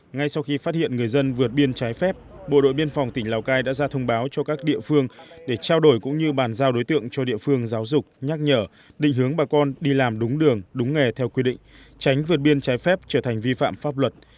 ngay sau khi phát hiện người dân vượt biên trái phép bộ đội biên phòng tỉnh lào cai đã ra thông báo cho các địa phương để trao đổi cũng như bàn giao đối tượng cho địa phương giáo dục nhắc nhở định hướng bà con đi làm đúng đường đúng nghề theo quy định tránh vượt biên trái phép trở thành vi phạm pháp luật